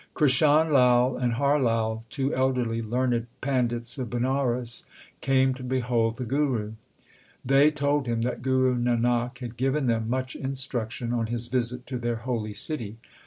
Krishan Lai and Har Lai, two elderly learned pandits of Banaras, came to behold the Guru. They told him that Guru Nanak had given them much instruction on his visit to their holy city.